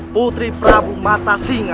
putri prabu mata singa